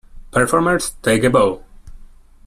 Performers, take a bow!